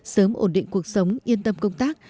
sớm ổn định cuộc sống yên tâm công tác